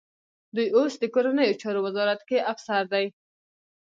دی اوس د کورنیو چارو وزارت کې افسر دی.